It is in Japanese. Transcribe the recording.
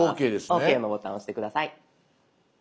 「ＯＫ」のボタン押して下さい。